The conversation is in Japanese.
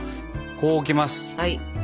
こう置きます。